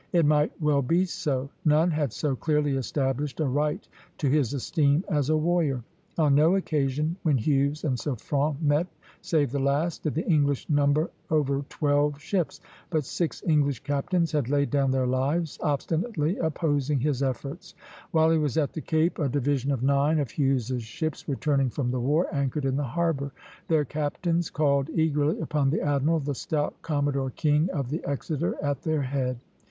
It might well be so; none had so clearly established a right to his esteem as a warrior. On no occasion when Hughes and Suffren met, save the last, did the English number over twelve ships; but six English captains had laid down their lives, obstinately opposing his efforts. While he was at the Cape, a division of nine of Hughes's ships, returning from the war, anchored in the harbor. Their captains called eagerly upon the admiral, the stout Commodore King of the "Exeter" at their head.